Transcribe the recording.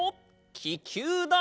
ききゅうだ！